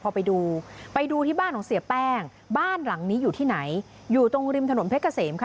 พอไปดูไปดูที่บ้านของเสียแป้งบ้านหลังนี้อยู่ที่ไหนอยู่ตรงริมถนนเพชรเกษมค่ะ